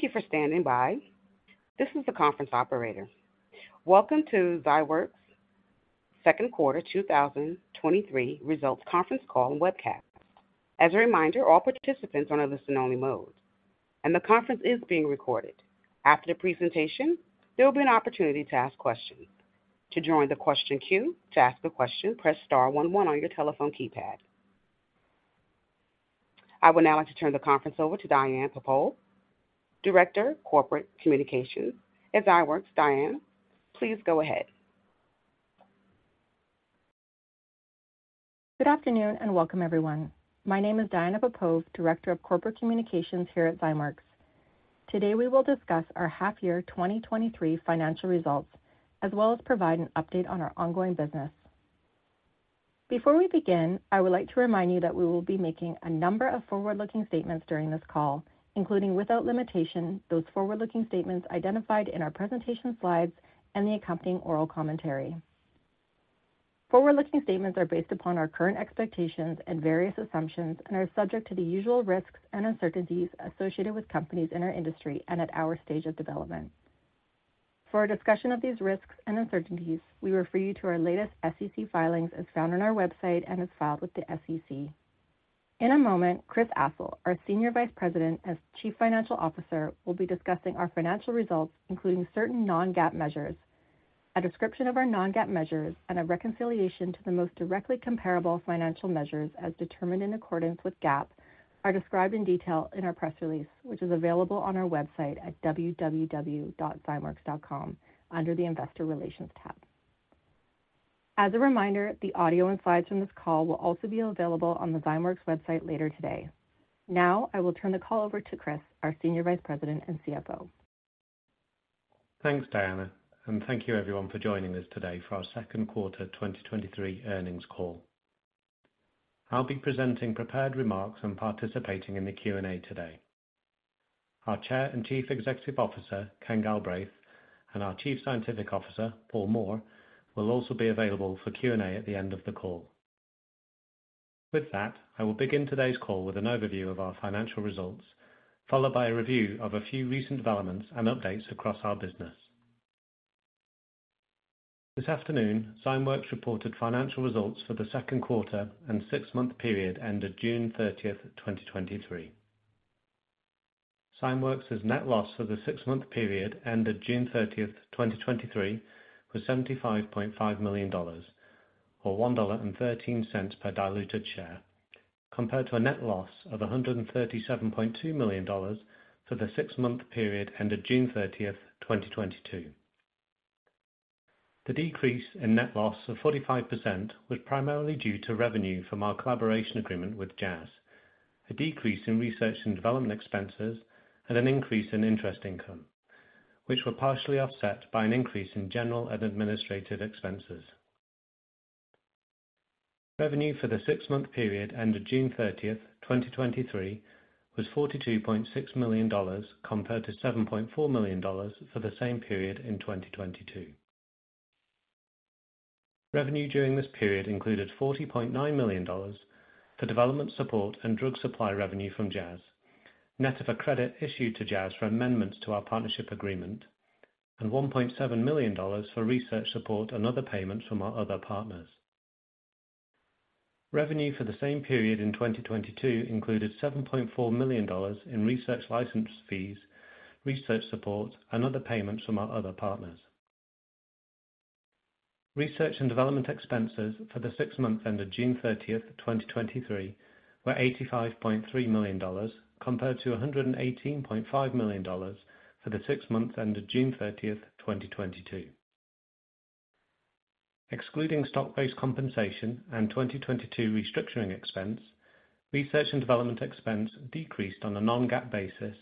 Thank you for standing by. This is the conference operator. Welcome to Zymeworks' second quarter 2023 results conference call and webcast. As a reminder, all participants are on a listen-only mode, and the conference is being recorded. After the presentation, there will be an opportunity to ask questions. To join the question queue, to ask a question, press star 11 on your telephone keypad. I would now like to turn the conference over to Diana Papove, Director of Corporate Communications at Zymeworks. Diana, please go ahead. Good afternoon, and welcome, everyone. My name is Diana Papove, Director of Corporate Communications here at Zymeworks. Today, we will discuss our half-year 2023 financial results, as well as provide an update on our ongoing business. Before we begin, I would like to remind you that we will be making a number of forward-looking statements during this call, including, without limitation, those forward-looking statements identified in our presentation slides and the accompanying oral commentary. Forward-looking statements are based upon our current expectations and various assumptions and are subject to the usual risks and uncertainties associated with companies in our industry and at our stage of development. For a discussion of these risks and uncertainties, we refer you to our latest SEC filings, as found on our website and as filed with the SEC. In a moment, Chris Astle, our Senior Vice President and Chief Financial Officer, will be discussing our financial results, including certain non-GAAP measures. A description of our non-GAAP measures and a reconciliation to the most directly comparable financial measures as determined in accordance with GAAP, are described in detail in our press release, which is available on our website at www.zymeworks.com under the Investor Relations tab. As a reminder, the audio and slides from this call will also be available on the Zymeworks website later today. Now, I will turn the call over to Chris, our Senior Vice President and CFO. Thanks, Diana, and thank you everyone for joining us today for our second quarter 2023 earnings call. I'll be presenting prepared remarks and participating in the Q&A today. Our Chair and Chief Executive Officer, Ken Galbraith, and our Chief Scientific Officer, Paul Moore, will also be available for Q&A at the end of the call. With that, I will begin today's call with an overview of our financial results, followed by a review of a few recent developments and updates across our business. This afternoon, Zymeworks reported financial results for the second quarter and six-month period ended June 30, 2023. Zymeworks' net loss for the six-month period ended June 30th, 2023, was $75.5 million, or $1.13 per diluted share, compared to a net loss of $137.2 million for the six-month period ended June 30th, 2022. The decrease in net loss of 45% was primarily due to revenue from our collaboration agreement with Jazz, a decrease in research and development expenses, and an increase in interest income, which were partially offset by an increase in general and administrative expenses. Revenue for the six-month period ended June 30th, 2023, was $42.6 million, compared to $7.4 million for the same period in 2022. Revenue during this period included $40.9 million for development, support, and drug supply revenue from Jazz. Net of a credit issued to Jazz Pharmaceuticals for amendments to our partnership agreement and $1.7 million for research support and other payments from our other partners. Revenue for the same period in 2022 included $7.4 million in research license fees, research support, and other payments from our other partners. Research and development expenses for the six months ended June 30th, 2023, were $85.3 million, compared to $118.5 million for the six months ended June 30th, 2022. Excluding stock-based compensation and 2022 restructuring expense, research and development expense decreased on a non-GAAP basis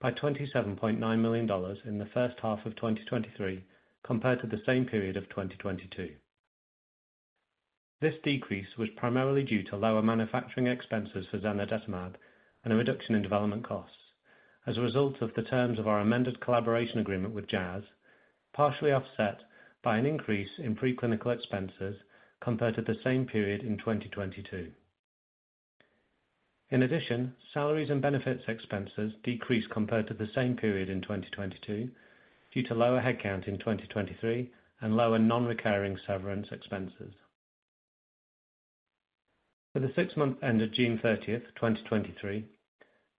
by $27.9 million in the first half of 2023, compared to the same period of 2022. This decrease was primarily due to lower manufacturing expenses for zanidatamab and a reduction in development costs as a result of the terms of our amended collaboration agreement with Jazz, partially offset by an increase in preclinical expenses compared to the same period in 2022. In addition, salaries and benefits expenses decreased compared to the same period in 2022, due to lower headcount in 2023 and lower non-recurring severance expenses. For the six months ended June 30th, 2023,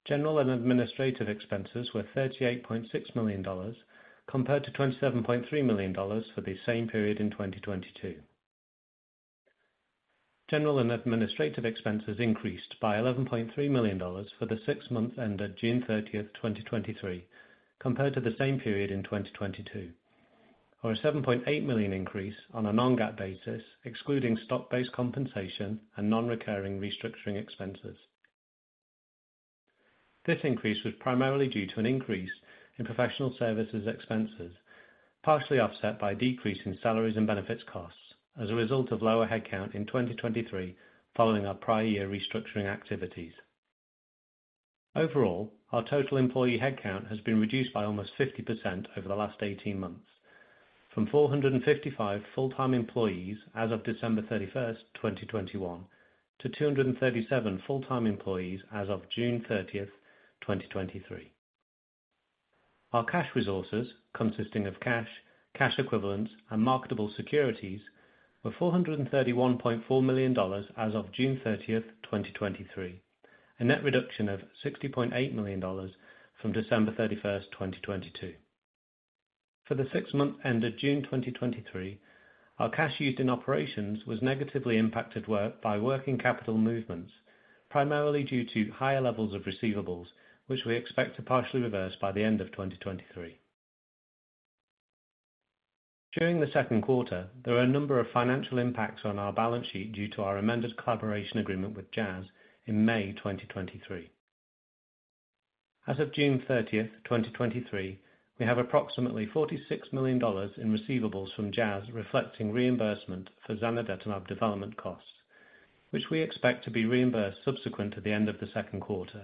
general and administrative expenses were $38.6 million, compared to $27.3 million for the same period in 2022. General and administrative expenses increased by $11.3 million for the six months ended June 30, 2023, compared to the same period in 2022, or a $7.8 million increase on a non-GAAP basis, excluding stock-based compensation and non-recurring restructuring expenses. This increase was primarily due to an increase in professional services expenses, partially offset by a decrease in salaries and benefits costs as a result of lower headcount in 2023 following our prior year restructuring activities. Overall, our total employee headcount has been reduced by almost 50% over the last 18 months from 455 full-time employees as of December 31, 2021, to 237 full-time employees as of June 30, 2023. Our cash resources, consisting of cash, cash equivalents, and marketable securities, were $431.4 million as of June 30, 2023, a net reduction of $60.8 million from December 31, 2022. For the six months ended June 2023, our cash used in operations was negatively impacted by working capital movements, primarily due to higher levels of receivables, which we expect to partially reverse by the end of 2023. During the second quarter, there were a number of financial impacts on our balance sheet due to our amended collaboration agreement with Jazz in May 2023. As of June 30, 2023, we have approximately $46 million in receivables from Jazz, reflecting reimbursement for zanidatamab development costs, which we expect to be reimbursed subsequent to the end of the second quarter.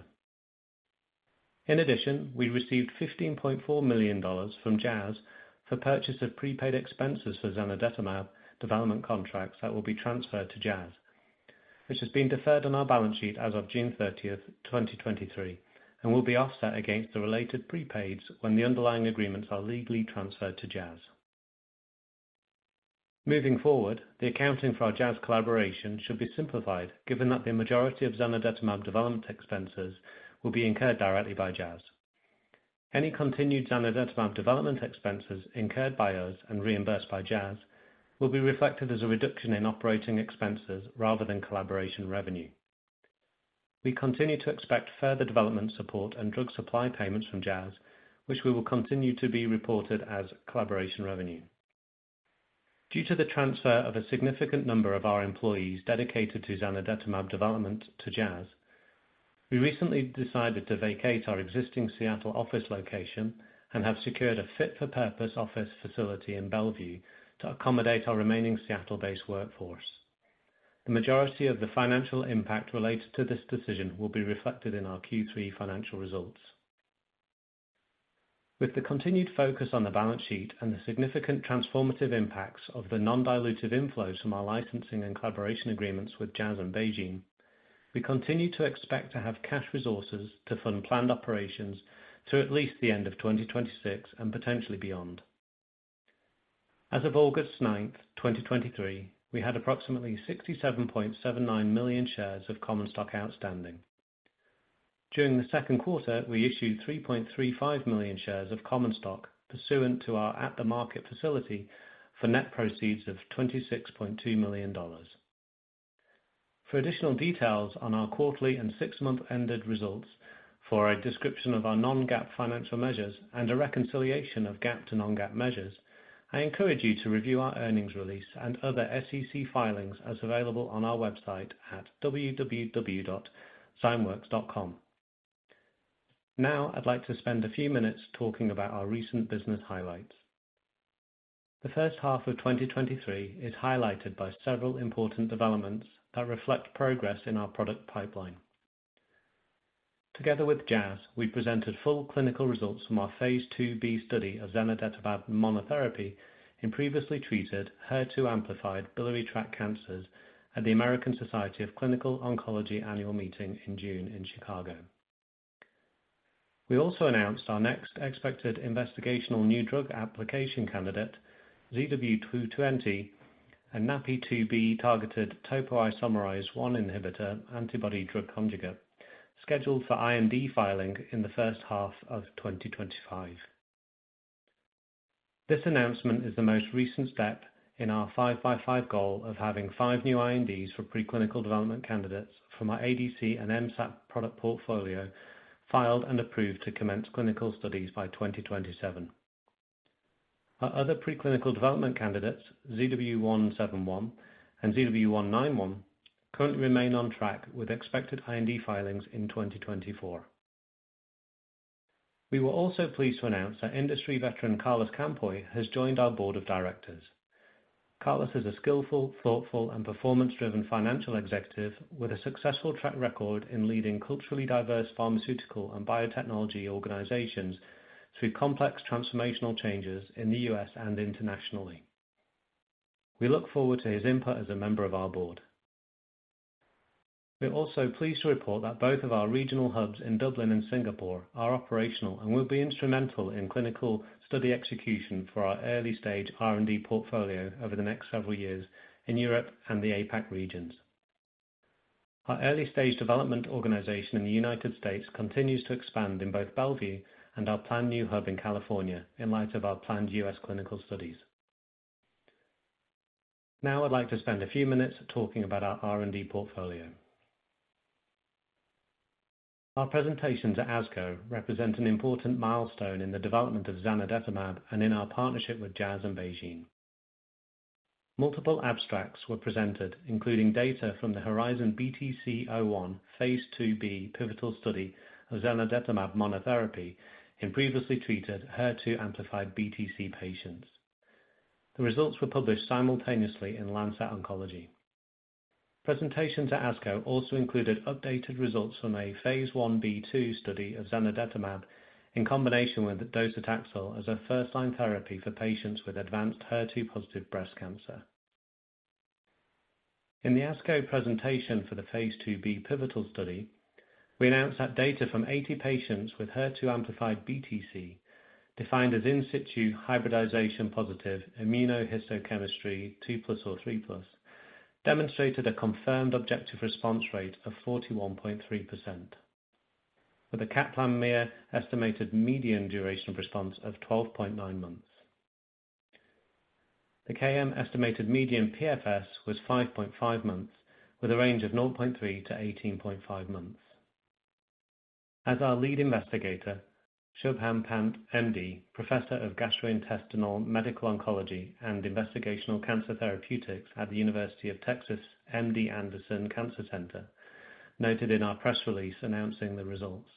In addition, we received $15.4 million from Jazz for purchase of prepaid expenses for zanidatamab development contracts that will be transferred to Jazz, which has been deferred on our balance sheet as of June 30, 2023, and will be offset against the related prepaids when the underlying agreements are legally transferred to Jazz. Moving forward, the accounting for our Jazz collaboration should be simplified, given that the majority of zanidatamab development expenses will be incurred directly by Jazz. Any continued zanidatamab development expenses incurred by us and reimbursed by Jazz will be reflected as a reduction in operating expenses rather than collaboration revenue. We continue to expect further development, support, and drug supply payments from Jazz, which we will continue to be reported as collaboration revenue. Due to the transfer of a significant number of our employees dedicated to zanidatamab development to Jazz, we recently decided to vacate our existing Seattle office location and have secured a fit-for-purpose office facility in Bellevue to accommodate our remaining Seattle-based workforce. The majority of the financial impact related to this decision will be reflected in our Q3 financial results. With the continued focus on the balance sheet and the significant transformative impacts of the non-dilutive inflows from our licensing and collaboration agreements with Jazz and BeiGene, we continue to expect to have cash resources to fund planned operations through at least the end of 2026 and potentially beyond. As of August 9, 2023, we had approximately 67.79 million shares of common stock outstanding. During the second quarter, we issued 3.35 million shares of common stock pursuant to our at-the-market facility for net proceeds of $26.2 million. For additional details on our quarterly and 6-month ended results, for a description of our non-GAAP financial measures, and a reconciliation of GAAP to non-GAAP measures, I encourage you to review our earnings release and other SEC filings as available on our website at www.zymeworks.com. Now, I'd like to spend a few minutes talking about our recent business highlights. The first half of 2023 is highlighted by several important developments that reflect progress in our product pipeline. Together with Jazz, we presented full clinical results from our phase II-B study of zanidatamab monotherapy in previously treated HER2-amplified biliary tract cancers at the American Society of Clinical Oncology Annual Meeting in June in Chicago. We also announced our next expected investigational new drug application candidate, ZW220, a NaPi2b targeted topoisomerase 1 inhibitor antibody-drug conjugate, scheduled for IND filing in the first half of 2025. This announcement is the most recent step in our 5-by-5 goal of having five new INDs for preclinical development candidates from our ADC and MSAC product portfolio filed and approved to commence clinical studies by 2027. Our other preclinical development candidates, ZW171 and ZW191, currently remain on track with expected IND filings in 2024. We were also pleased to announce that industry veteran Carlos Campoy has joined our board of directors. Carlos is a skillful, thoughtful, and performance-driven financial executive with a successful track record in leading culturally diverse pharmaceutical and biotechnology organizations through complex transformational changes in the U.S. and internationally. We look forward to his input as a member of our board. We're also pleased to report that both of our regional hubs in Dublin and Singapore are operational and will be instrumental in clinical study execution for our early-stage R&D portfolio over the next several years in Europe and the APAC regions. Our early-stage development organization in the U.S. continues to expand in both Bellevue and our planned new hub in California in light of our planned U.S. clinical studies. Now, I'd like to spend a few minutes talking about our R&D portfolio. Our presentation to ASCO represents an important milestone in the development of zanidatamab and in our partnership with Jazz and BeiGene. Multiple abstracts were presented, including data from the HERIZON-BTC-01 phase II-B pivotal study of zanidatamab monotherapy in previously treated HER2-amplified BTC patients. The results were published simultaneously in Lancet Oncology. Presentation to ASCO also included updated results from a phase 1-B/II study of zanidatamab, in combination with docetaxel as a first-line therapy for patients with advanced HER2-positive breast cancer. In the ASCO presentation for the phase II-B pivotal study, we announced that data from 80 patients with HER2-amplified BTC, defined as in situ hybridization-positive immunohistochemistry, 2+ or 3+, demonstrated a confirmed objective response rate of 41.3%, with a Kaplan-Meier estimated median duration of response of 12.9 months. The KM estimated median PFS was 5.5 months, with a range of 0.3 to 18.5 months. As our lead investigator, Shubham Pant, MD, Professor of Gastrointestinal Medical Oncology and Investigational Cancer Therapeutics at The University of Texas MD Anderson Cancer Center, noted in our press release announcing the results,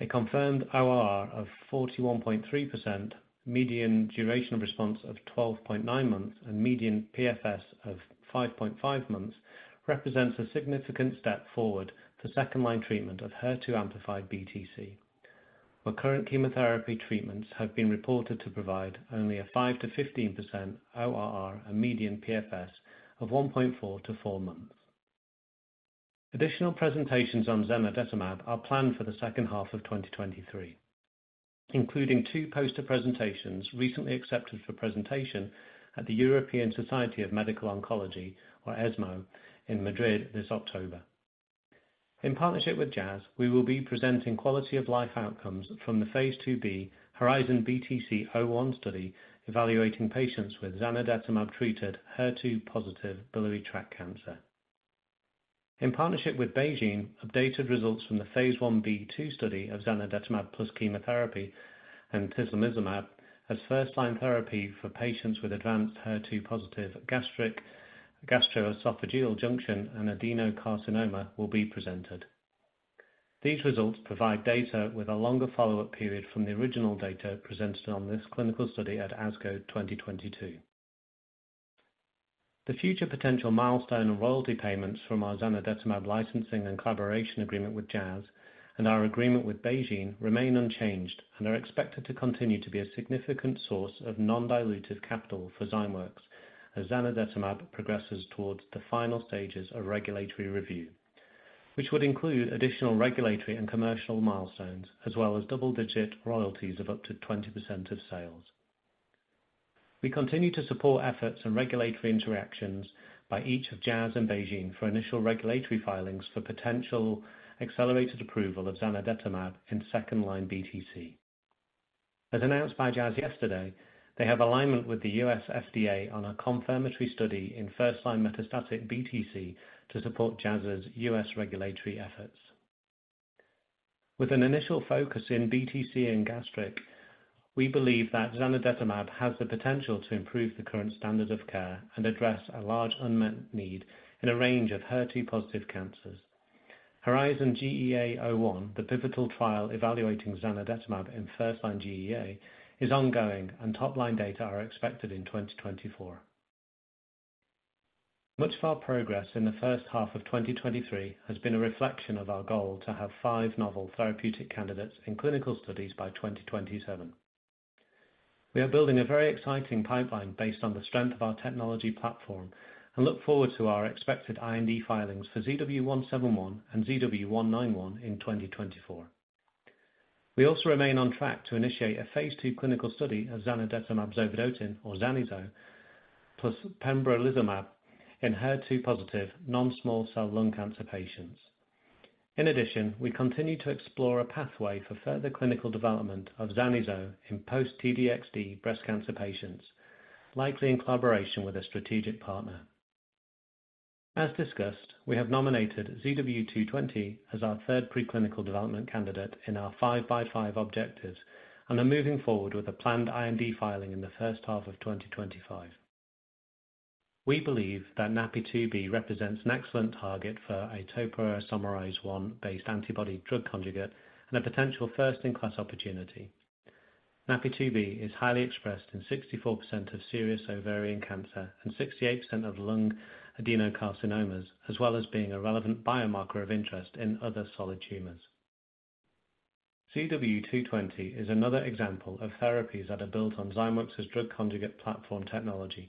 "A confirmed ORR of 41.3%, median duration response of 12.9 months, and median PFS of 5.5 months represents a significant step forward for second-line treatment of HER2-amplified BTC, where current chemotherapy treatments have been reported to provide only a 5%-15% ORR and median PFS of 1.4-4 months." Additional presentations on zanidatamab are planned for the second half of 2023, including two poster presentations recently accepted for presentation at the European Society for Medical Oncology, or ESMO, in Madrid this October. In partnership with Jazz, we will be presenting quality-of-life outcomes from the phase II-B HERIZON-BTC-01 Study, evaluating patients with zanidatamab-treated HER2-positive biliary tract cancer. In partnership with BeiGene, updated results from the phase I-B/II study of zanidatamab plus chemotherapy and tislelizumab as first-line therapy for patients with advanced HER2-positive gastric, gastroesophageal junction, and adenocarcinoma will be presented. These results provide data with a longer follow-up period from the original data presented on this clinical study at ASCO 2022. The future potential milestone and royalty payments from our zanidatamab licensing and collaboration agreement with Jazz and our agreement with BeiGene remain unchanged and are expected to continue to be a significant source of non-dilutive capital for Zymeworks as zanidatamab progresses towards the final stages of regulatory review, which would include additional regulatory and commercial milestones, as well as double-digit royalties of up to 20% of sales. We continue to support efforts and regulatory interactions by each of Jazz and BeiGene for initial regulatory filings for potential accelerated approval of zanidatamab in second-line BTC. As announced by Jazz yesterday, they have alignment with the U.S. FDA on a confirmatory study in first-line metastatic BTC to support Jazz's U.S. regulatory efforts. With an initial focus in BTC and gastric, we believe that zanidatamab has the potential to improve the current standard of care and address a large unmet need in a range of HER2-positive cancers. HERIZON-GEA-01, the pivotal trial evaluating zanidatamab in first-line GEA, is ongoing and top-line data are expected in 2024. Much of our progress in the first half of 2023 has been a reflection of our goal to have five novel therapeutic candidates in clinical studies by 2027. We are building a very exciting pipeline based on the strength of our technology platform and look forward to our expected IND filings for ZW171 and ZW191 in 2024. We also remain on track to initiate a phase II clinical study of zanidatamab zovodotin, or zani-zo, plus pembrolizumab Enhertu-positive non-small cell lung cancer patients. We continue to explore a pathway for further clinical development of zani-zo in post T-DXd breast cancer patients, likely in collaboration with a strategic partner. As discussed, we have nominated ZW220 as our third preclinical development candidate in our 5-by-5 objectives and are moving forward with a planned IND filing in the first half of 2025. We believe that NaPi2b represents an excellent target for a topoisomerase 1-based antibody drug conjugate and a potential first-in-class opportunity. NaPi2b is highly expressed in 64% of serous ovarian cancer and 68% of lung adenocarcinomas, as well as being a relevant biomarker of interest in other solid tumors. ZW220 is another example of therapies that are built on Zymeworks' drug conjugate platform technology,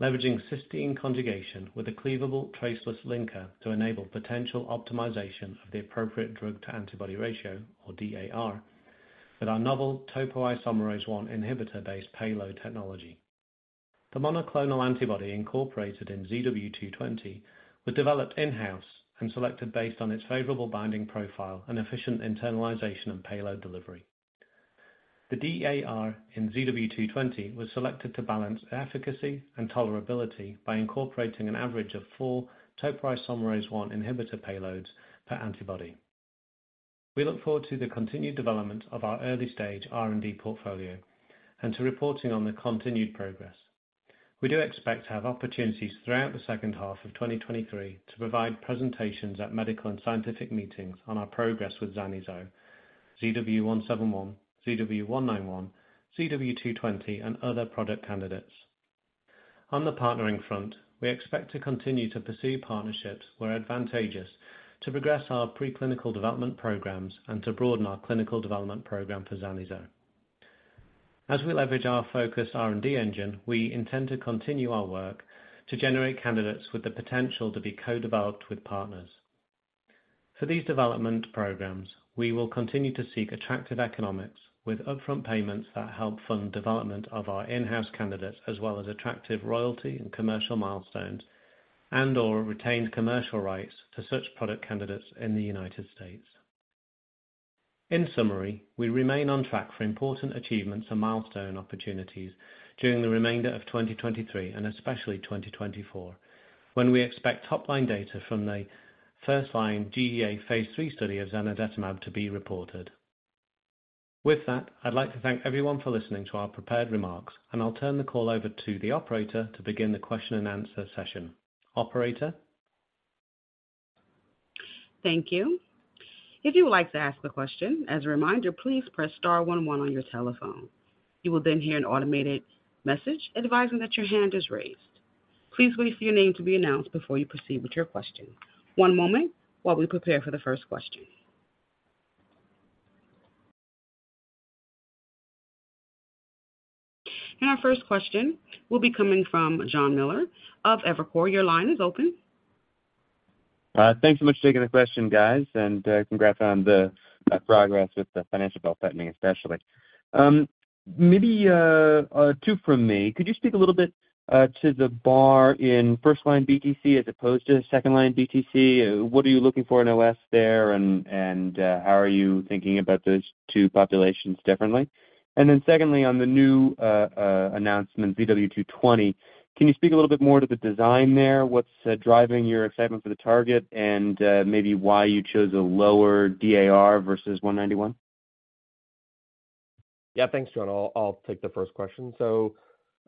leveraging cysteine conjugation with a cleavable traceless linker to enable potential optimization of the appropriate drug-to-antibody ratio, or DAR, with our novel topoisomerase 1 inhibitor-based payload technology. The monoclonal antibody incorporated in ZW220 was developed in-house and selected based on its favorable binding profile and efficient internalization and payload delivery. The DAR in ZW220 was selected to balance efficacy and tolerability by incorporating an average of four topoisomerase 1 inhibitor payloads per antibody. We look forward to the continued development of our early-stage R&D portfolio and to reporting on the continued progress. We do expect to have opportunities throughout the second half of 2023 to provide presentations at medical and scientific meetings on our progress with ZW171, ZW191, ZW220, and other product candidates. On the partnering front, we expect to continue to pursue partnerships where advantageous to progress our preclinical development programs and to broaden our clinical development program for zani-zo. As we leverage our focus R&D engine, we intend to continue our work to generate candidates with the potential to be co-developed with partners. For these development programs, we will continue to seek attractive economics with upfront payments that help fund development of our in-house candidates, as well as attractive royalty and commercial milestones, and/or retained commercial rights to such product candidates in the United States. In summary, we remain on track for important achievements and milestone opportunities during the remainder of 2023, and especially 2024, when we expect top-line data from the first-line GEA phase III study of zanidatamab to be reported. With that, I'd like to thank everyone for listening to our prepared remarks. I'll turn the call over to the operator to begin the question and answer session. Operator? Thank you. If you would like to ask a question, as a reminder, please press star one one on your telephone. You will then hear an automated message advising that your hand is raised. Please wait for your name to be announced before you proceed with your question. One moment while we prepare for the first question. Our first question will be coming from Jon Miller of Evercore. Your line is open. Thanks so much for taking the question, guys, and congrats on the progress with the financial tightening, especially. Maybe 2 from me. Could you speak a little bit to the bar in first-line BTC as opposed to second-line BTC? What are you looking for in OS there, and how are you thinking about those 2 populations differently? Secondly, on the new announcement, ZW220, can you speak a little bit more to the design there? What's driving your excitement for the target, and maybe why you chose a lower DAR versus ZW191? Yeah, thanks, John. I'll, I'll take the first question.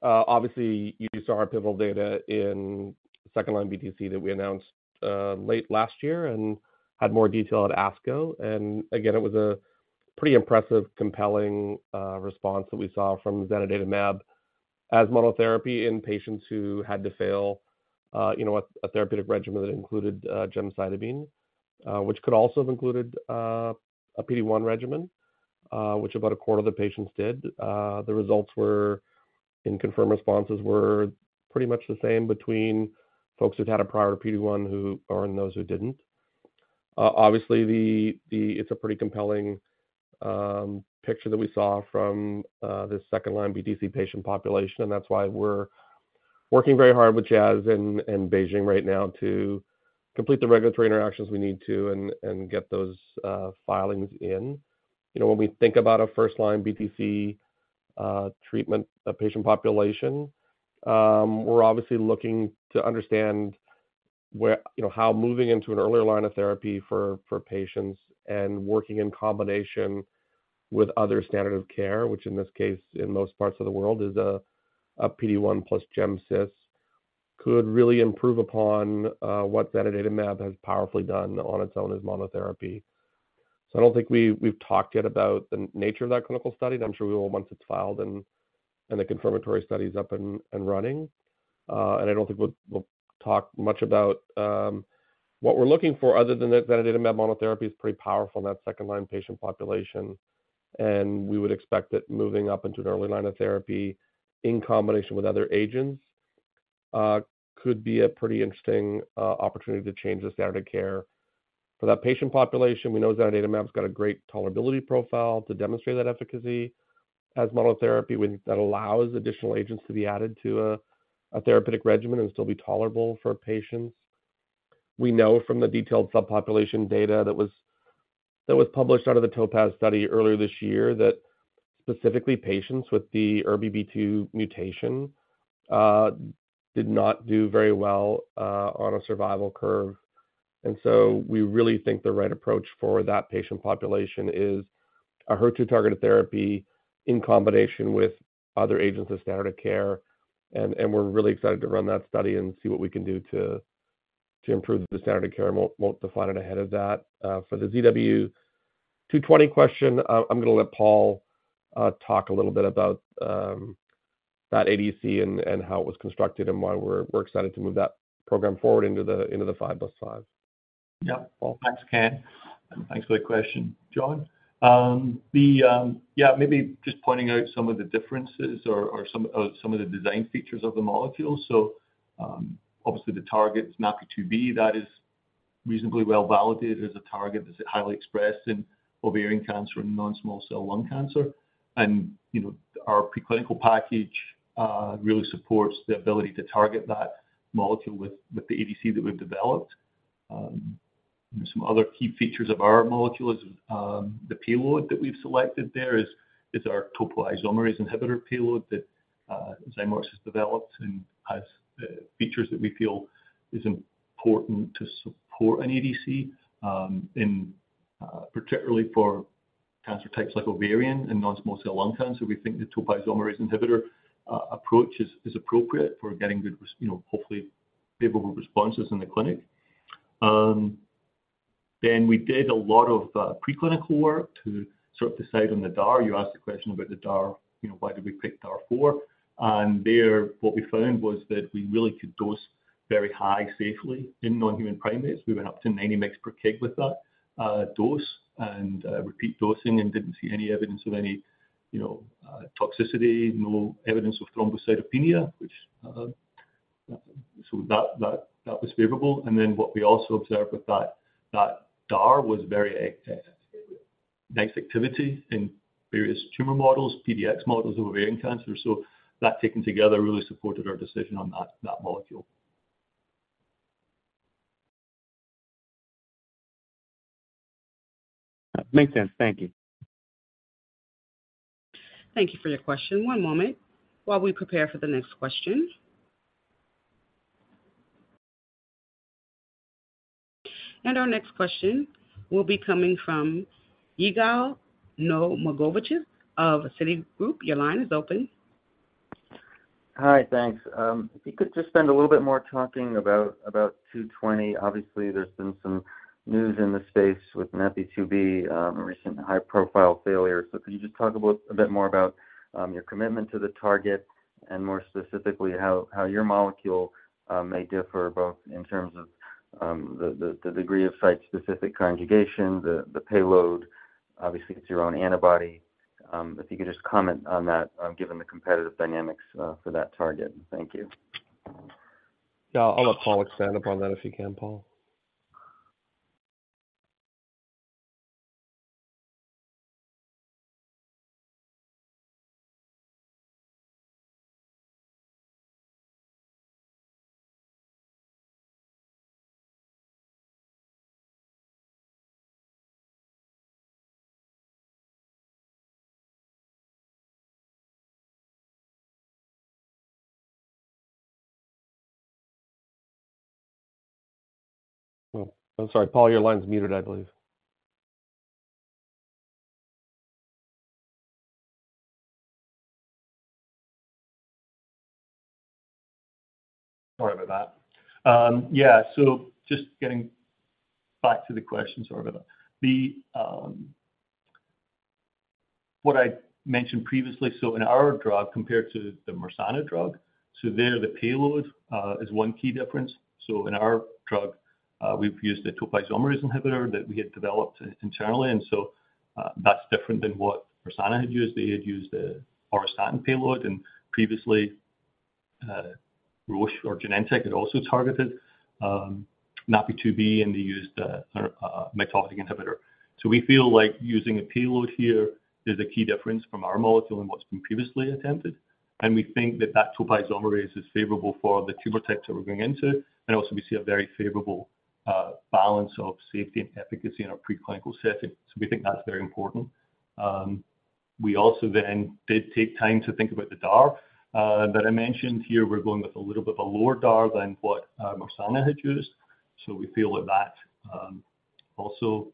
Obviously, you saw our pivotal data in second-line BTC that we announced late last year and had more detail at ASCO. Again, it was a pretty impressive, compelling, response that we saw from zanidatamab as monotherapy in patients who had to fail, you know, a, a therapeutic regimen that included gemcitabine, which could also have included a PD-1 regimen, which about a quarter of the patients did. The results were, in confirmed responses, were pretty much the same between folks who'd had a prior to PD-1 who, or those who didn't. Obviously, it's a pretty compelling picture that we saw from this second-line BTC patient population, and that's why we're working very hard with Jazz and BeiGene right now to complete the regulatory interactions we need to and get those filings in. You know, when we think about a first-line BTC treatment of patient population, we're obviously looking to understand where... You know, how moving into an earlier line of therapy for patients and working in combination with other standard of care, which in this case, in most parts of the world, is a PD-1 plus gemcitabine could really improve upon what zanidatamab has powerfully done on its own as monotherapy. I don't think we've talked yet about the nature of that clinical study. I'm sure we will once it's filed and the confirmatory study is up and running. I don't think we'll, we'll talk much about what we're looking for other than the zanidatamab monotherapy is pretty powerful in that second-line patient population. We would expect that moving up into an early line of therapy in combination with other agents could be a pretty interesting opportunity to change the standard of care. For that patient population, we know zanidatamab's got a great tolerability profile to demonstrate that efficacy as monotherapy, when that allows additional agents to be added to a therapeutic regimen and still be tolerable for patients. We know from the detailed subpopulation data that was, that was published out of the TOPAZ study earlier this year, that specifically patients with the ERBB2 mutation did not do very well on a survival curve. We really think the right approach for that patient population is a HER2-targeted therapy in combination with other agents of standard care, we're really excited to run that study and see what we can do to improve the standard of care. I won't, won't define it ahead of that. For the ZW220 question, I'm gonna let Paul talk a little bit about that ADC and how it was constructed and why we're excited to move that program forward into the 5-by-5. Yeah. Well, thanks, Ken, and thanks for the question, Jon. Yeah, maybe just pointing out some of the differences or, or some of, some of the design features of the molecule. Obviously, the target is NaPi2b. That is reasonably well validated as a target that's highly expressed in ovarian cancer and non-small cell lung cancer. You know, our preclinical package really supports the ability to target that molecule with, with the ADC that we've developed. Some other key features of our molecule is the payload that we've selected there is our topoisomerase 1 inhibitor payload that Zymeworks has developed and has features that we feel is important to support an ADC in particularly for cancer types like ovarian and non-small cell lung cancer. We think the topoisomerase inhibitor, approach is, is appropriate for getting good, you know, hopefully favorable responses in the clinic.... we did a lot of preclinical work to sort of decide on the DAR. You asked the question about the DAR, you know, why did we pick DAR-4? There, what we found was that we really could dose very high safely in non-human primates. We went up to 90 mg per kg with that dose and repeat dosing, and didn't see any evidence of any, you know, toxicity, no evidence of thrombocytopenia, which, so that, that, that was favorable. What we also observed with that, that DAR was very nice activity in various tumor models, PDX models of ovarian cancer. That taken together, really supported our decision on that, that molecule. Makes sense. Thank you. Thank you for your question. One moment while we prepare for the next question. Our next question will be coming from Yigal Nochomovitz of Citigroup. Your line is open. Hi, thanks. If you could just spend a little bit more talking about ZW220. Obviously, there's been some news in the space with NaPi2b, a recent high-profile failure. Could you just talk about a bit more about your commitment to the target, and more specifically, how your molecule may differ, both in terms of the degree of site-specific conjugation, the payload. Obviously, it's your own antibody. If you could just comment on that, given the competitive dynamics for that target. Thank you. Yeah. I'll let Paul expand upon that, if you can, Paul. Oh, I'm sorry, Paul, your line's muted, I believe. Sorry about that. Yeah, just getting back to the question. Sorry about that. The what I mentioned previously, in our drug compared to the Mersana drug, there, the payload is one key difference. In our drug, we've used a topoisomerase inhibitor that we had developed internally, and that's different than what Mersana had used. They had used a auristatin payload, and previously, Roche or Genentech had also targeted NaPi2b, and they used a mitotic inhibitor. We feel like using a payload here is a key difference from our molecule and what's been previously attempted, and we think that that topoisomerase is favorable for the tumor types that we're going into. Also we see a very favorable balance of safety and efficacy in our preclinical setting. We think that's very important. We also then did take time to think about the DAR that I mentioned here. We're going with a little bit of a lower DAR than what Mersana had used. We feel that that also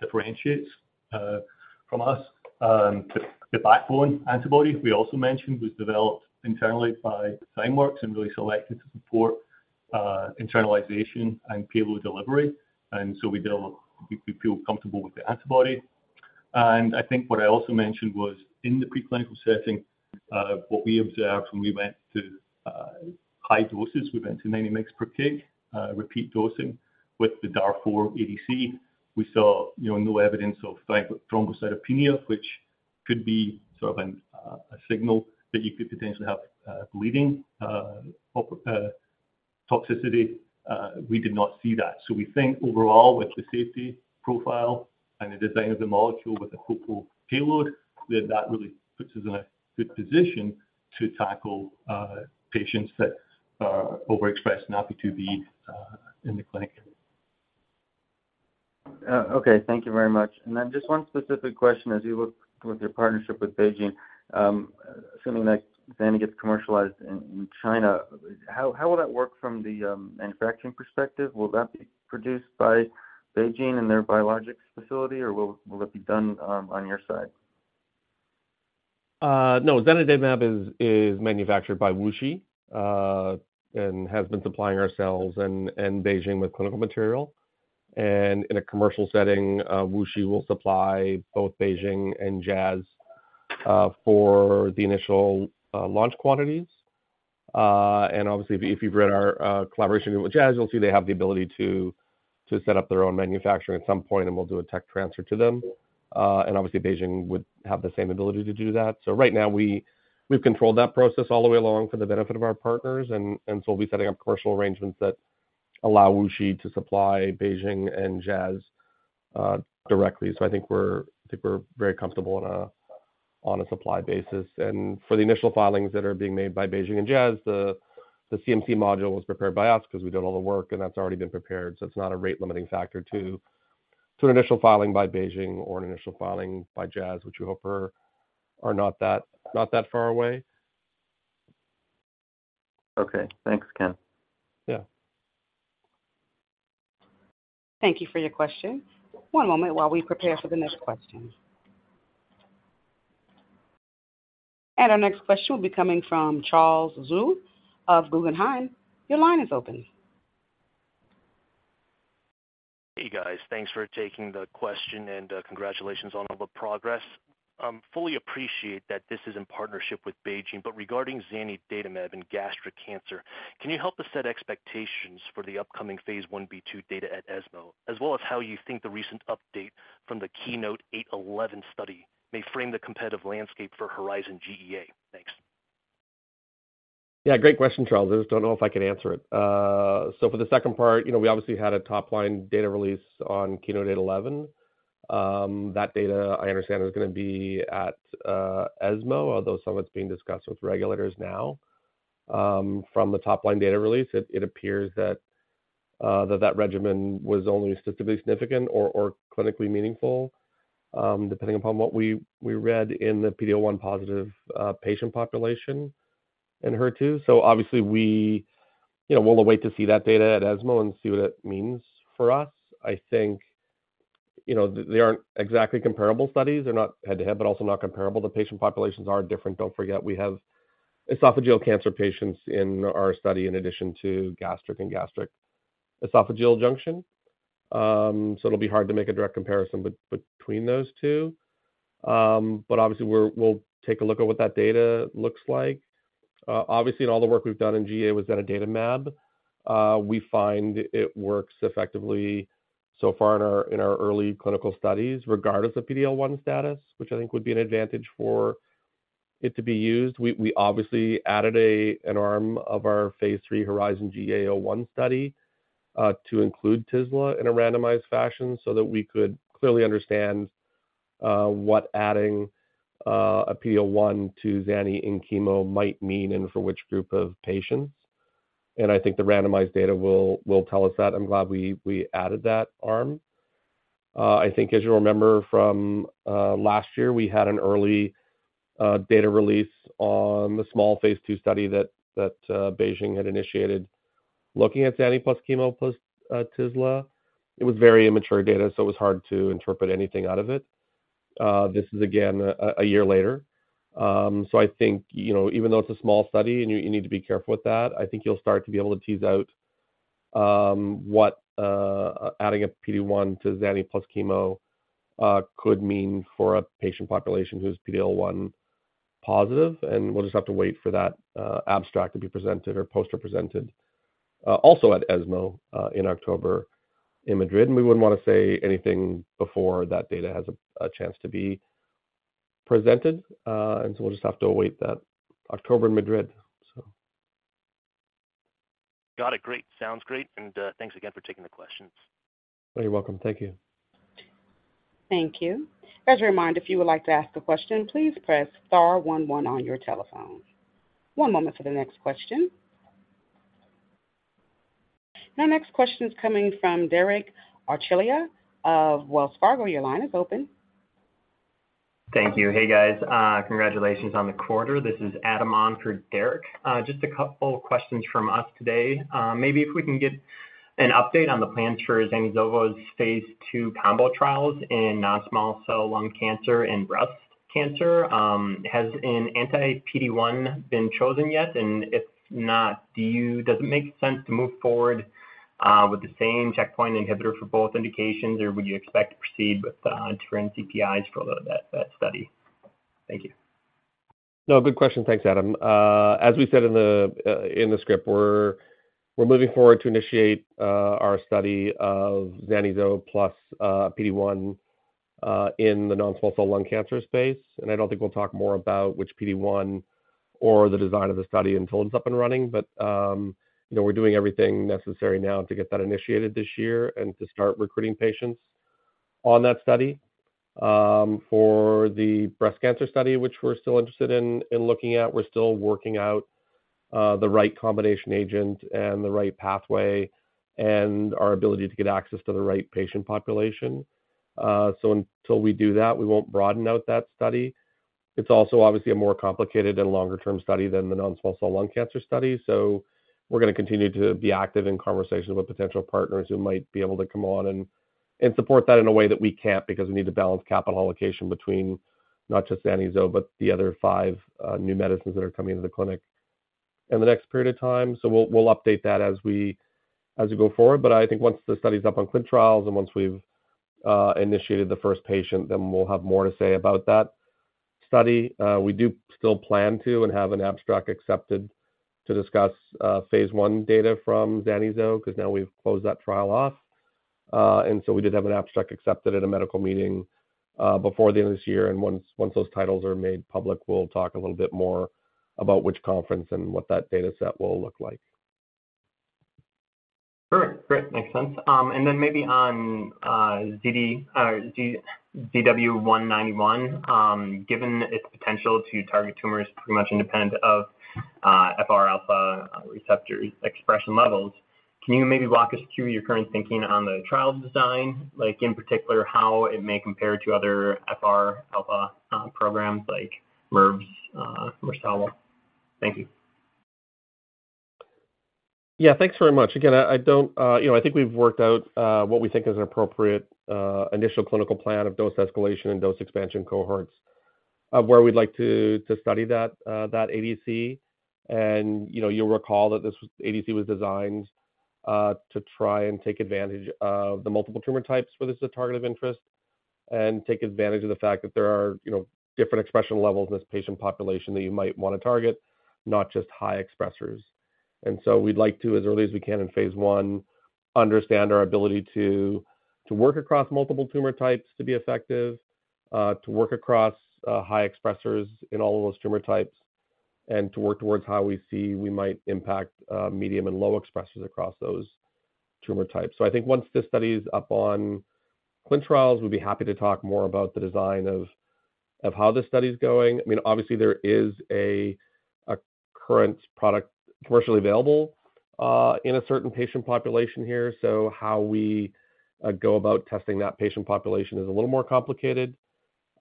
differentiates from us. The, the backbone antibody, we also mentioned, was developed internally by Zymeworks and really selected to support internalization and payload delivery. We feel, we feel comfortable with the antibody. I think what I also mentioned was in the preclinical setting, what we observed when we went to high doses, we went to 90 mg/kg repeat dosing with the DAR-4 ADC. We saw, you know, no evidence of thrombocytopenia, which could be sort of an a signal that you could potentially have bleeding or toxicity. We did not see that. We think overall, with the safety profile and the design of the molecule with the hopeful payload, that that really puts us in a good position to tackle patients that overexpress NaPi2b in the clinic. Okay. Thank you very much. Just one specific question, as you look with your partnership with BeiGene, assuming that zani gets commercialized in China, how will that work from the manufacturing perspective? Will that be produced by BeiGene and their biologics facility, or will it be done on your side? No. zanidatamab is manufactured by WuXi and has been supplying ourselves and BeiGene with clinical material. In a commercial setting, WuXi will supply both BeiGene and Jazz for the initial launch quantities. Obviously, if you've read our collaboration with Jazz, you'll see they have the ability to set up their own manufacturing at some point, and we'll do a tech transfer to them. Obviously BeiGene would have the same ability to do that. Right now we've controlled that process all the way along for the benefit of our partners, and so we'll be setting up commercial arrangements that allow WuXi to supply BeiGene and Jazz directly. I think we're very comfortable on a supply basis. For the initial filings that are being made by BeiGene and Jazz, the CMC module was prepared by us because we've done all the work, and that's already been prepared. It's not a rate-limiting factor to an initial filing by BeiGene or an initial filing by Jazz, which we hope are not that far away. Okay. Thanks, Ken. Yeah. Thank you for your question. One moment while we prepare for the next question. Our next question will be coming from Charles Zhu of Guggenheim. Your line is open. Hey, guys. Thanks for taking the question, and congratulations on all the progress. Fully appreciate that this is in partnership with BeiGene, but regarding zanidatamab and gastric cancer, can you help us set expectations for the upcoming phase I-B/II data at ESMO, as well as how you think the recent update from the KEYNOTE-811 study may frame the competitive landscape for HERIZON-GEA-01? Thanks. Yeah, great question, Charles. I just don't know if I can answer it. For the second part, we obviously had a top-line data release on KEYNOTE-811. That data, I understand, is going to be at ESMO, although some of it's being discussed with regulators now. From the top-line data release, it, it appears that, that, that regimen was only statistically significant or, or clinically meaningful, depending upon what we, we read in the PD-L1 positive patient population Enhertu. Obviously we, we'll wait to see that data at ESMO and see what it means for us. I think they aren't exactly comparable studies. They're not head-to-head, but also not comparable. The patient populations are different. Don't forget, we have esophageal cancer patients in our study, in addition to gastric and gastric esophageal junction. It'll be hard to make a direct comparison between those two. Obviously, we're, we'll take a look at what that data looks like. Obviously, in all the work we've done in GEA within zanidatamab, we find it works effectively so far in our, in our early clinical studies, regardless of PD-L1 status, which I think would be an advantage for it to be used. We, we obviously added a, an arm of our phase III HERIZON-GEA-01 study, to include tislelizumab in a randomized fashion so that we could clearly understand, what adding, a PD-L1 to zanidatamab in chemo might mean and for which group of patients. I think the randomized data will, will tell us that. I'm glad we, we added that arm. I think, as you remember from last year, we had an early data release on the small phase II study that BeiGene had initiated. Looking at Zani plus chemo plus tislelizumab, it was very immature data, so it was hard to interpret anything out of it. This is again, a year later. I think, you know, even though it's a small study and you need to be careful with that, I think you'll start to be able to tease out what adding a PD-L1 to Zani plus chemo could mean for a patient population who's PD-L1 positive, and we'll just have to wait for that abstract to be presented or poster presented also at ESMO in October in Madrid. We wouldn't want to say anything before that data has a chance to be presented. We'll just have to await that October in Madrid. Got it. Great. Sounds great, and, thanks again for taking the questions. Oh, you're welcome. Thank you. Thank you. As a reminder, if you would like to ask a question, please press star 11 on your telephone. One moment for the next question. My next question is coming from Derek Archila of Wells Fargo. Your line is open. Thank you. Hey, guys. Congratulations on the quarter. This is Adam on for Derek. Just a couple questions from us today. Maybe if we can get an update on the plan for zani-zo's phase II combo trials in non-small cell lung cancer and breast cancer. Has an anti-PD-1 been chosen yet? If not, does it make sense to move forward with the same checkpoint inhibitor for both indications, or would you expect to proceed with different CPIs for that study? Thank you. No, good question. Thanks, Adam. As we said in the script, we're moving forward to initiate our study of zani-zo plus PD-1 in the non-small cell lung cancer space. I don't think we'll talk more about which PD-1 or the design of the study until it's up and running, but, you know, we're doing everything necessary now to get that initiated this year and to start recruiting patients on that study. For the breast cancer study, which we're still interested in looking at, we're still working out the right combination agent and the right pathway and our ability to get access to the right patient population. Until we do that, we won't broaden out that study. It's also obviously a more complicated and longer-term study than the non-small cell lung cancer study. We're going to continue to be active in conversations with potential partners who might be able to come on and support that in a way that we can't, because we need to balance capital allocation between not just zani-zo, but the other five new medicines that are coming to the clinic in the next period of time. We'll update that as we go forward. I think once the study is up on ClinTrials and once we've initiated the first patient, then we'll have more to say about that study. We do still plan to and have an abstract accepted to discuss phase I data from zani-zo, because now we've closed that trial off. We did have an abstract accepted at a medical meeting, before the end of this year, and once, once those titles are made public, we'll talk a little bit more about which conference and what that data set will look like. Sure. Great, makes sense. Then maybe on ZW191, given its potential to target tumors pretty much independent of FRα receptor expression levels, can you maybe walk us through your current thinking on the trials design, like in particular, how it may compare to other FRα programs like Mersana? Thank you.... Yeah, thanks very much. Again, I, I don't, you know, I think we've worked out, what we think is an appropriate, initial clinical plan of dose escalation and dose expansion cohorts, of where we'd like to, to study that, that ADC. And, you know, you'll recall that this ADC was designed, to try and take advantage of the multiple tumor types where this is a target of interest, and take advantage of the fact that there are, you know, different expression levels in this patient population that you might want to target, not just high expressers. We'd like to, as early as we can in phase I, understand our ability to work across multiple tumor types to be effective, to work across high expressers in all of those tumor types, and to work towards how we see we might impact medium and low expressers across those tumor types. I think once this study is up on clin trials, we'll be happy to talk more about the design of how this study is going. I mean, obviously, there is a current product commercially available in a certain patient population here, so how we go about testing that patient population is a little more complicated.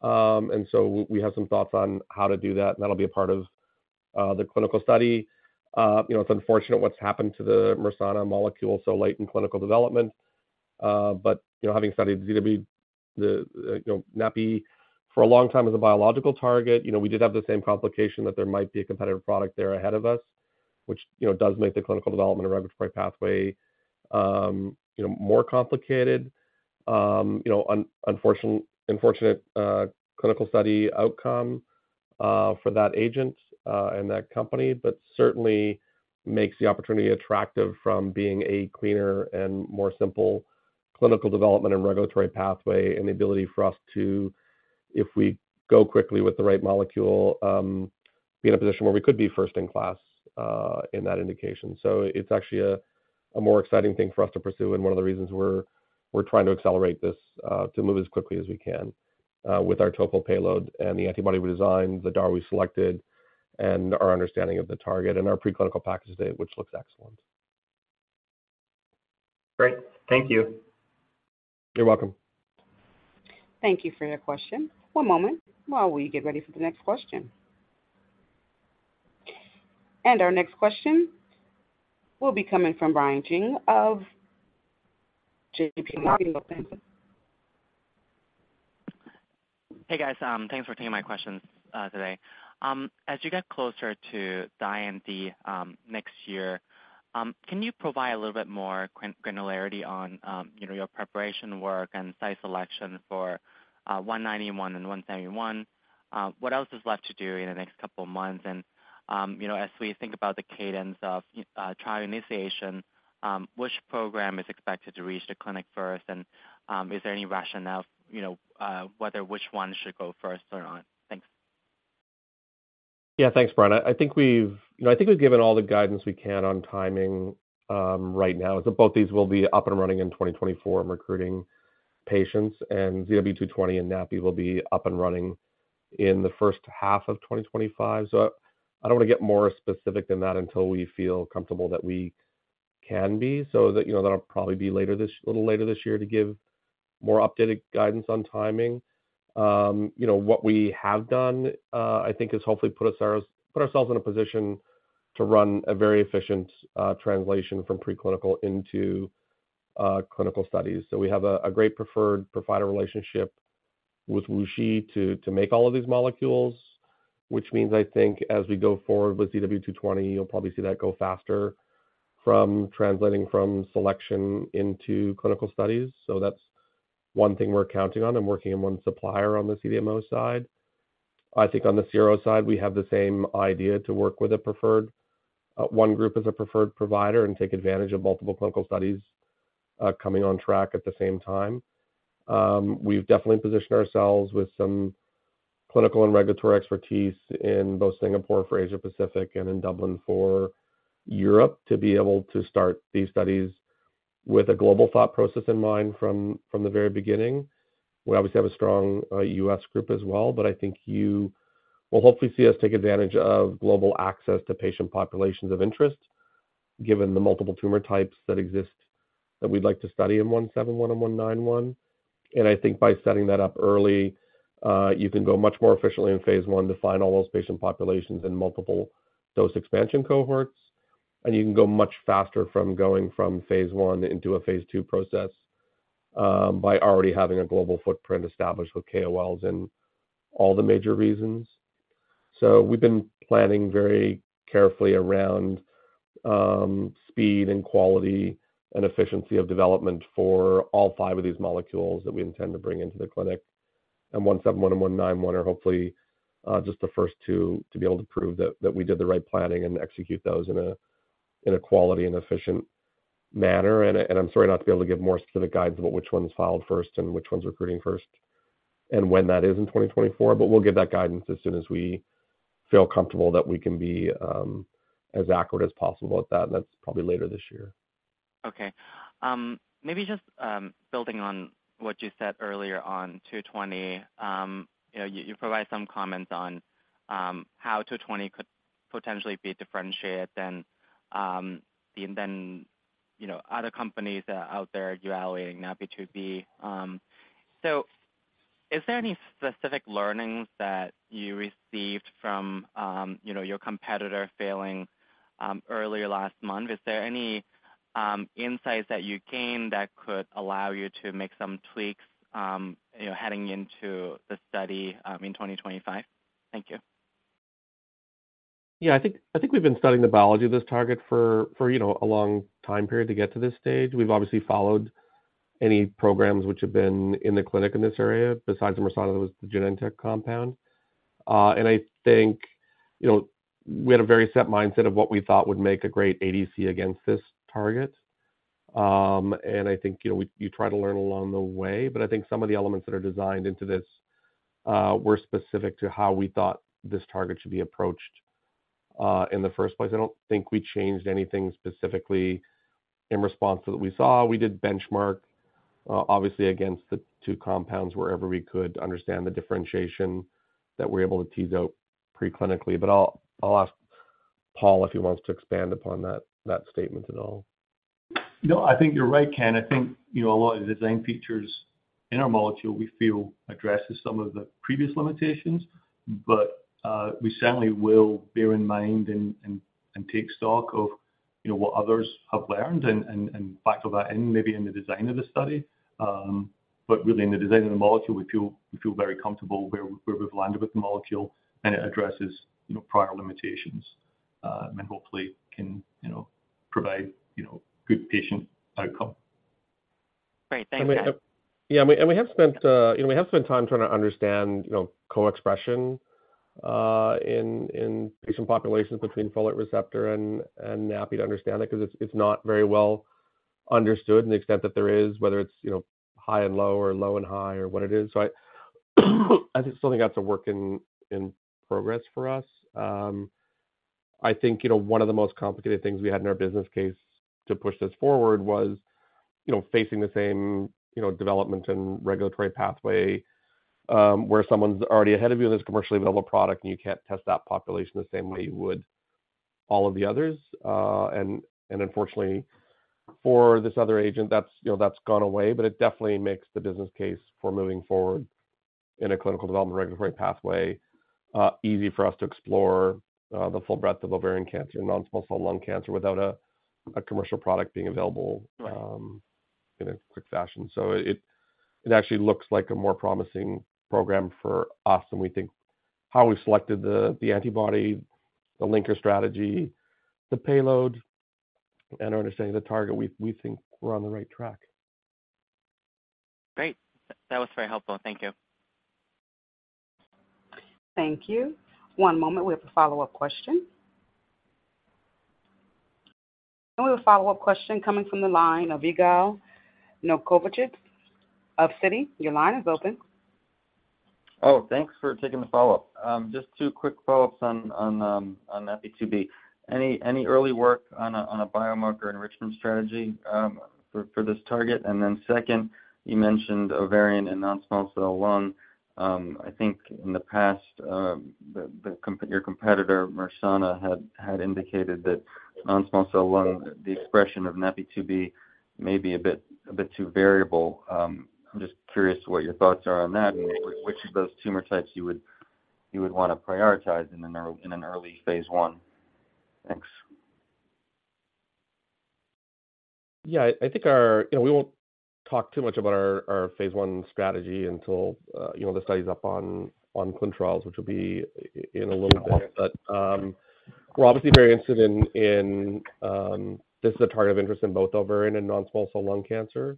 We have some thoughts on how to do that, and that'll be a part of the clinical study. You know, it's unfortunate what's happened to the Mersana molecule so late in clinical development, but, you know, having studied ZW NaPi2b for a long time as a biological target, you know, we did have the same complication that there might be a competitive product there ahead of us, which, you know, does make the clinical development and regulatory pathway, you know, more complicated. You know, unfortunate, unfortunate clinical study outcome for that agent and that company, but certainly makes the opportunity attractive from being a cleaner and more simple clinical development and regulatory pathway, and the ability for us to, if we go quickly with the right molecule, be in a position where we could be first in class in that indication. It's actually a, a more exciting thing for us to pursue and one of the reasons we're, we're trying to accelerate this, to move as quickly as we can, with our total payload and the antibody we designed, the DAR we selected, and our understanding of the target, and our preclinical package today, which looks excellent. Great. Thank you. You're welcome. Thank you for your question. One moment while we get ready for the next question. Our next question will be coming from Brian Cheng of JPMorgan. Hey, guys, thanks for taking my questions today. As you get closer to IND next year, can you provide a little bit more granularity on, you know, your preparation work and site selection for ZW191 and ZW171? What else is left to do in the next couple of months? You know, as we think about the cadence of trial initiation, which program is expected to reach the clinic first? Is there any rationale, you know, whether which one should go first or not? Thanks. Yeah, thanks, Brian. I think we've, you know, I think we've given all the guidance we can on timing right now. Both these will be up and running in 2024 and recruiting patients, and ZW220 and NaPi2b will be up and running in the first half of 2025. I don't want to get more specific than that until we feel comfortable that we can be. That, you know, that'll probably be later this, a little later this year to give more updated guidance on timing. You know, what we have done, I think, is hopefully put ourselves in a position to run a very efficient translation from preclinical into clinical studies. We have a great preferred provider relationship with WuXi Biologics to make all of these molecules, which means, as we go forward with ZW220, you'll probably see that go faster from translating from selection into clinical studies. That's one thing we're counting on and working in one supplier on the CDMO side. On the CRO side, we have the same idea to work with a preferred one group as a preferred provider and take advantage of multiple clinical studies coming on track at the same time. We've definitely positioned ourselves with some clinical and regulatory expertise in both Singapore for Asia Pacific and in Dublin for Europe, to be able to start these studies with a global thought process in mind from the very beginning. We obviously have a strong, U.S. group as well, but I think you will hopefully see us take advantage of global access to patient populations of interest, given the multiple tumor types that exist that we'd like to study in ZW171 and ZW191. I think by setting that up early, you can go much more efficiently in phase I, define all those patient populations in multiple dose expansion cohorts, and you can go much faster from going from phase I into a phase II process, by already having a global footprint established with KOLs in all the major reasons. We've been planning very carefully around speed and quality and efficiency of development for all five of these molecules that we intend to bring into the clinic. and ZW191 are hopefully just the first two to be able to prove that, that we did the right planning and execute those in a, in a quality and efficient manner. I, I'm sorry not to be able to give more specific guidance about which one's filed first and which one's recruiting first, and when that is in 2024, but we'll give that guidance as soon as we feel comfortable that we can be as accurate as possible with that, and that's probably later this year. Okay. Maybe just building on what you said earlier on ZW220, you know, you, you provide some comments on how ZW220 could potentially be differentiated than the, than, you know, other companies that out there evaluating NaPi2b. Is there any specific learnings that you received from, you know, your competitor failing earlier last month? Is there any insights that you gained that could allow you to make some tweaks, you know, heading into the study in 2025? Thank you. Yeah, I think, I think we've been studying the biology of this target for, for, you know, a long time period to get to this stage. We've obviously followed any programs which have been in the clinic in this area, besides the Mersana, was the Genentech compound. I think, you know, we had a very set mindset of what we thought would make a great ADC against this target. I think, you know, you try to learn along the way, but I think some of the elements that are designed into this were specific to how we thought this target should be approached in the first place. I don't think we changed anything specifically in response to what we saw. We did benchmark, obviously against the two compounds wherever we could to understand the differentiation that we're able to tease out pre-clinically. I'll ask Paul if he wants to expand upon that statement at all. No, I think you're right, Ken. I think, you know, a lot of the design features in our molecule, we feel addresses some of the previous limitations. We certainly will bear in mind and, and, and take stock of, you know, what others have learned and, and, and factor that in, maybe in the design of the study. Really, in the design of the molecule, we feel, we feel very comfortable where, where we've landed with the molecule, and it addresses, you know, prior limitations, and hopefully can, you know, provide, you know, good patient outcome. Great. Thank you. Yeah, we, and we have spent, you know, we have spent time trying to understand, you know, co-expression, in, in patient populations between FRα and, and NaPi2b to understand it, 'cause it's, it's not very well understood in the extent that there is, whether it's, you know, high and low or low and high or what it is. I, I think it's something that's a work in, in progress for us. I think, you know, one of the most complicated things we had in our business case to push this forward was, you know, facing the same, you know, development and regulatory pathway, where someone's already ahead of you in this commercially available product, and you can't test that population the same way you would all of the others. Unfortunately for this other agent, that's, you know, that's gone away, but it definitely makes the business case for moving forward in a clinical development regulatory pathway, easy for us to explore, the full breadth of ovarian cancer and non-small cell lung cancer without a commercial product being available. Right. In a quick fashion. It, it actually looks like a more promising program for us, and we think how we selected the, the antibody, the linker strategy, the payload, and understanding the target, we, we think we're on the right track. Great. That was very helpful. Thank you. Thank you. One moment, we have a follow-up question. We have a follow-up question coming from the line of Yigal Nochomovitz of Citigroup. Your line is open. Oh, thanks for taking the follow-up. Just two quick follow-ups on, on NaPi2b. Any, any early work on a, on a biomarker enrichment strategy for, for this target? Second, you mentioned ovarian and non-small cell lung. I think in the past, the, the, your competitor, Mersana, had, had indicated that non-small cell lung, the expression of NaPi2b may be a bit, a bit too variable. I'm just curious what your thoughts are on that, and which of those tumor types you would, you would want to prioritize in an early phase I? Thanks. Yeah, I think our... You know, we won't talk too much about our phase I strategy until, you know, the study's up on clinical trials, which will be in a little bit. We're obviously very interested in, this is a target of interest in both ovarian and non-small cell lung cancer.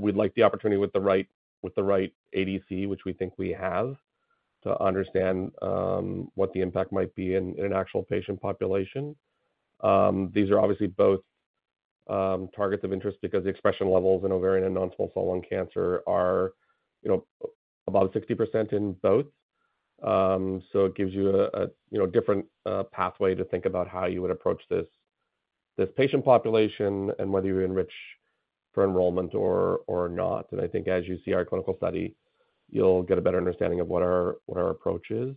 We'd like the opportunity with the right, with the right ADC, which we think we have, to understand what the impact might be in an actual patient population. These are obviously both targets of interest because the expression levels in ovarian and non-small cell lung cancer are, you know, about 60% in both. It gives you a, you know, different pathway to think about how you would approach this patient population and whether you enrich for enrollment or not. I think as you see our clinical study, you'll get a better understanding of what our, what our approach is.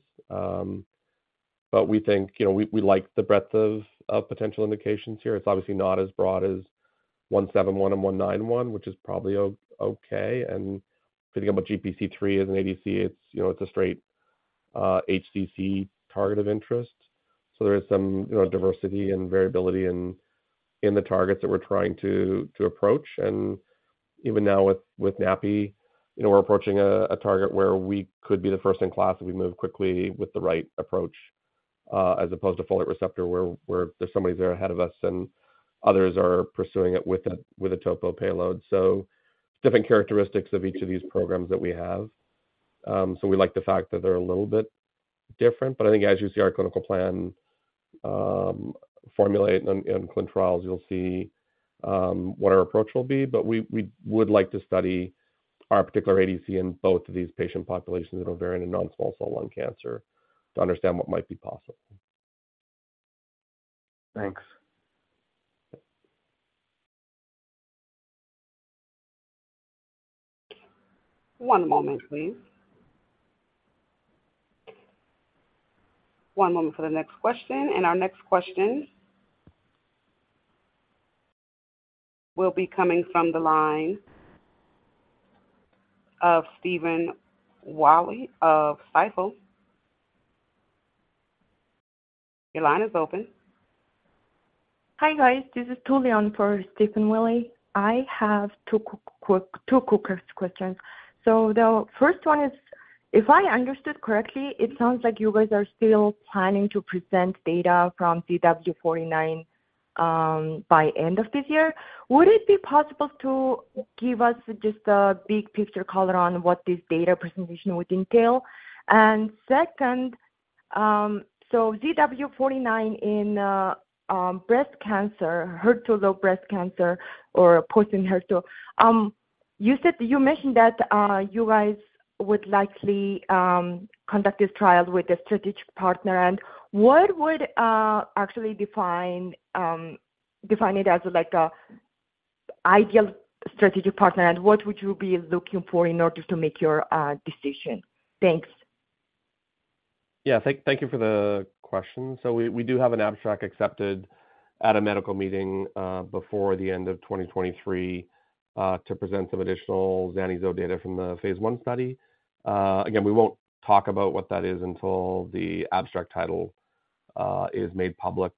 We think, you know, we, we like the breadth of, of potential indications here. It's obviously not as broad as ZW171 and ZW191, which is probably o-okay, and thinking about GPC3 as an ADC, it's, you know, it's a straight HCC target of interest. There is some, you know, diversity and variability in, in the targets that we're trying to, to approach. Even now with, with NaPi2b, you know, we're approaching a, a target where we could be the first in class if we move quickly with the right approach, as opposed to FRα, where, where there's somebody there ahead of us and others are pursuing it with a, with a topo payload. Different characteristics of each of these programs that we have. We like the fact that they're a little bit different, but I think as you see our clinical plan, formulate on, in clinical trials, you'll see, what our approach will be. We, we would like to study our particular ADC in both of these patient populations in ovarian and non-small cell lung cancer, to understand what might be possible. Thanks. One moment, please.... One moment for the next question. Our next question will be coming from the line of Stephen Willey of Stifel. Your line is open. Hi, guys. This is Tully on for Stephen Willey. I have two quick questions. The first one is, if I understood correctly, it sounds like you guys are still planning to present data from ZW49 by end of this year. Would it be possible to give us just a big picture color on what this data presentation would entail? Second, ZW49 in breast cancer, HER2-low breast cancer or post Enhertu. You said, you mentioned that you guys would likely conduct this trial with a strategic partner, what would actually define it as like a ideal strategic partner, and what would you be looking for in order to make your decision? Thanks. Yeah, thank, thank you for the question. We, we do have an abstract accepted at a medical meeting before the end of 2023 to present some additional zani-zo data from the phase I study. Again, we won't talk about what that is until the abstract title is made public.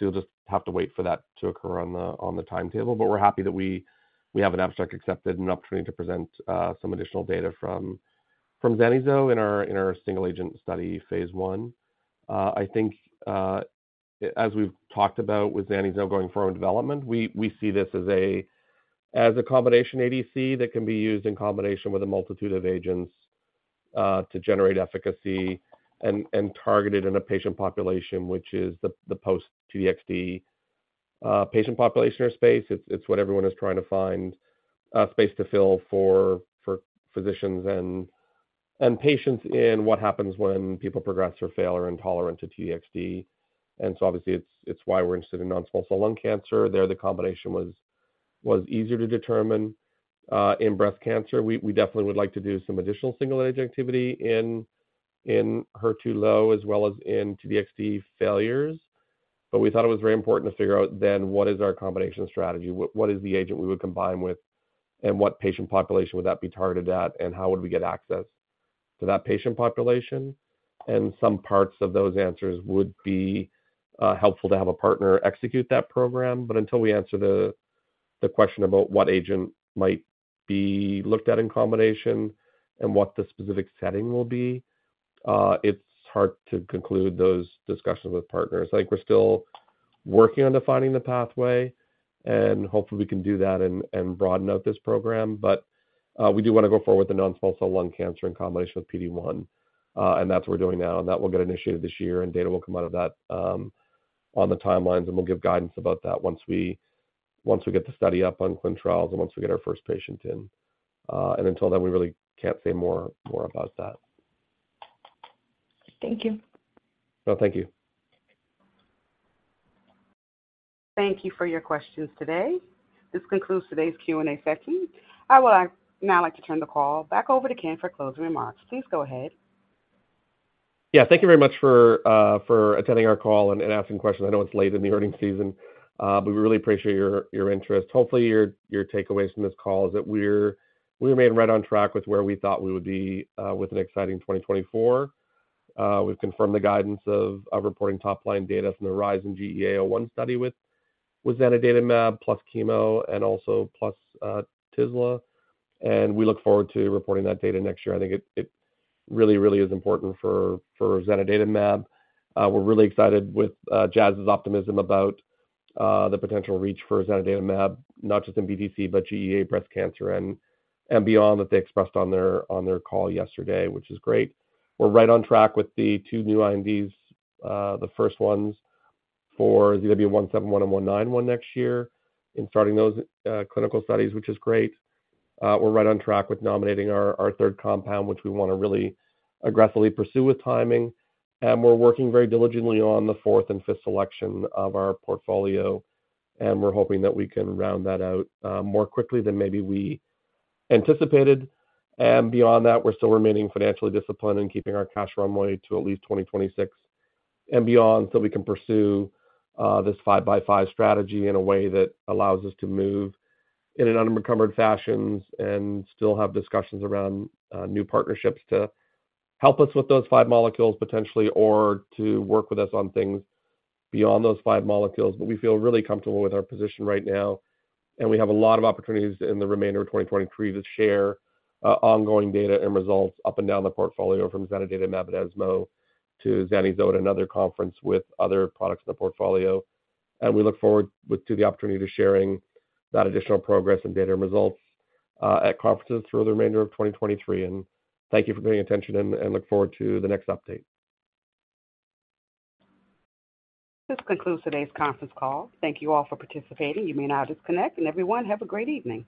You'll just have to wait for that to occur on the, on the timetable. We're happy that we, we have an abstract accepted, an opportunity to present some additional data from, from zani-zo in our, in our single agent study phase I. I think, as we've talked about with zanuzo going forward in development, we, we see this as a, as a combination ADC that can be used in combination with a multitude of agents, to generate efficacy and, and targeted in a patient population, which is the, the post T-DXd, patient population or space. It's, it's what everyone is trying to find, space to fill for, for physicians and, and patients in what happens when people progress or fail or intolerant to T-DXd. Obviously, it's, it's why we're interested in non-small cell lung cancer. There, the combination was, was easier to determine, in breast cancer. We, we definitely would like to do some additional single agent activity in, Enhertu-low as well as in T-DXd failures. We thought it was very important to figure out then what is our combination strategy, what, what is the agent we would combine with, and what patient population would that be targeted at, and how would we get access to that patient population? Some parts of those answers would be helpful to have a partner execute that program. Until we answer the, the question about what agent might be looked at in combination and what the specific setting will be, it's hard to conclude those discussions with partners. I think we're still working on defining the pathway, and hopefully we can do that and, and broaden out this program. We do want to go forward with the non-small cell lung cancer in combination with PD-1, and that's what we're doing now. That will get initiated this year. Data will come out of that on the timelines. We'll give guidance about that once we, once we get the study up on clin trials and once we get our first patient in. Until then, we really can't say more, more about that. Thank you. Well, thank you. Thank you for your questions today. This concludes today's Q&A session. I would now like to turn the call back over to Ken for closing remarks. Please go ahead. Yeah, thank you very much for attending our call and, and asking questions. I know it's late in the earnings season, we really appreciate your, your interest. Hopefully, your, your takeaways from this call is that we're, we're made right on track with where we thought we would be with an exciting 2024. We've confirmed the guidance of, of reporting top line data from the HERIZON-GEA-01 study with, with zanidatamab plus chemo and also plus tislelizumab, and we look forward to reporting that data next year. I think it, it really, really is important for, for zanidatamab. We're really excited with Jazz's optimism about the potential reach for zanidatamab, not just in BTC, but GEA breast cancer and, and beyond, that they expressed on their, on their call yesterday, which is great. We're right on track with the two new INDs, the first ones for the ZW171 and ZW191 next year in starting those clinical studies, which is great. We're right on track with nominating our, our third compound, which we want to really aggressively pursue with timing. We're working very diligently on the fourth and fifth selection of our portfolio, and we're hoping that we can round that out more quickly than maybe we anticipated. Beyond that, we're still remaining financially disciplined and keeping our cash flow money to at least 2026 and beyond, so we can pursue this 5-by-5 strategy in a way that allows us to move in an unencumbered fashion and still have discussions around new partnerships to help us with those five molecules, potentially, or to work with us on things beyond those five molecules. We feel really comfortable with our position right now, and we have a lot of opportunities in the remainder of 2023 to share ongoing data and results up and down the portfolio, from zanidatamab at ESMO to zani-zo at another conference with other products in the portfolio. We look forward with, to the opportunity to sharing that additional progress and data and results at conferences through the remainder of 2023. Thank you for paying attention and, and look forward to the next update. This concludes today's conference call. Thank you all for participating. You may now disconnect, and everyone, have a great evening.